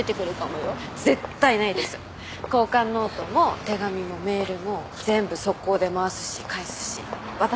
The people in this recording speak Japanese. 交換ノートも手紙もメールも全部即行で回すし返すし渡すんで。